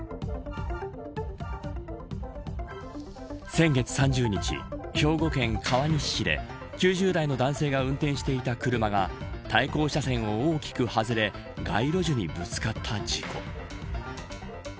先月３０日、兵庫県川西市で９０代の男性が運転していた車が対向車線を大きく外れ街路樹にぶつかった事故。